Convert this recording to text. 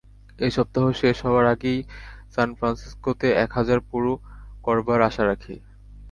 এই সপ্তাহ শেষ হবার আগেই সান ফ্রান্সিস্কোতে এক হাজার পুরো করবার আশা রাখি।